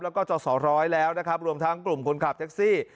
แล้วก็จอสอร้อยแล้วนะครับรวมทั้งกลุ่มคนขับแท็กซี่